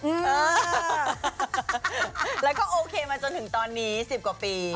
เออแล้วก็โอเคมาจนถึงตอนนี้๑๐กว่าปี